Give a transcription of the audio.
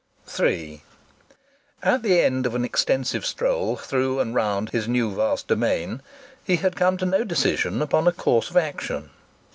III At the end of an extensive stroll through and round his new vast domain, he had come to no decision upon a course of action.